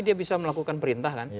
dia bisa melakukan perintah kan